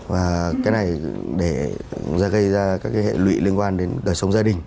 và cái này để gây ra các hệ lụy liên quan đến đời sống gia đình